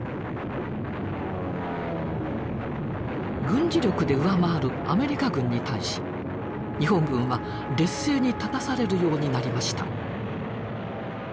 軍事力で上回るアメリカ軍に対し日本軍は劣勢に立たされるようになりました。